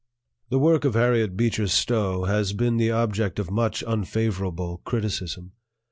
This work of Harriet Beecher Stowe has been the object of much unfavorable criticism.